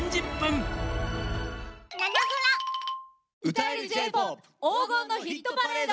歌えるＪ−ＰＯＰ黄金のヒットパレード。